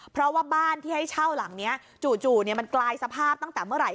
เพราะว่าบ้านที่ให้เช่าหลังนี้จู่มันกลายสภาพตั้งแต่เมื่อไหร